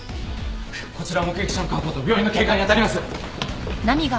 こちら目撃者の確保と病院の警戒にあたります。